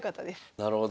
なるほど。